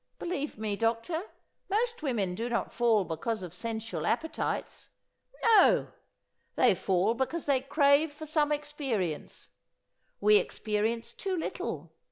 Believe me, doctor, most women do not fall because of sensual appetites. No! they fall because they crave for some experience. We experience too little.